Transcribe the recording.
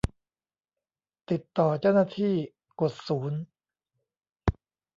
ติดต่อเจ้าหน้าที่ กดศูนย์